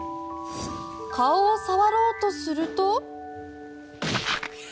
顔を触ろうとすると。